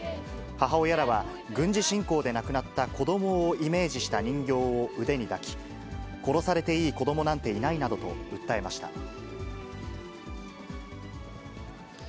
母親らは、軍事侵攻で亡くなった子どもをイメージした人形を腕に抱き、殺されていい子どもなんていないなどと訴えました。